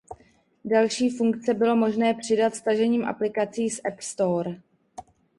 Další funkce bylo možné přidat stažením aplikací s App Store.